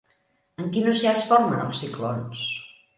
En quin oceà es formen els ciclons?